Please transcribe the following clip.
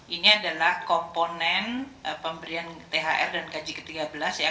ini adalah komponen pemberian thr dan gaji ke tiga belas ya